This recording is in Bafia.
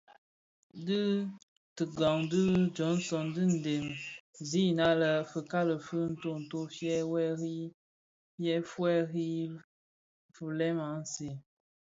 Bi dhikan di Johnson ti dhem zina lè fikali fi ntonto fi fyèri nfulèn aň sèè.